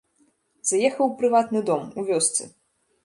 Заехаў у прыватны дом, у вёсцы.